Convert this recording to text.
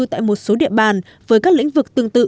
tại một số địa bàn với các lĩnh vực tương tự